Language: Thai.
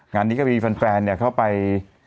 งานนี้ก็มีแฟนเข้าไป